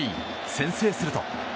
先制すると。